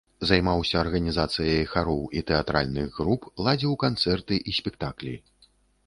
Займаўся арганізацыяй хароў і тэатральных груп, ладзіў канцэрты і спектаклі.